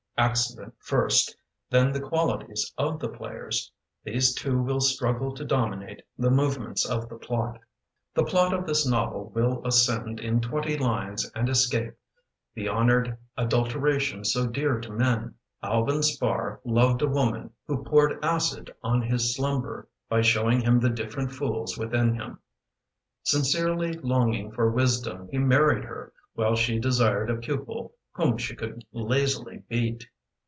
Accident first, then the qualities of the players These two will struggle to dominate The movements of the plot. The plot of this novel will ascend In twenty lines and escape The honoured adulteration so dear to men. " Alvin Spar loved a woman Who poured acid on his slumber By showing him the different fools within him. Sincerely longing for wisdom He married her, while she desired A pupil whom she could lazily beat.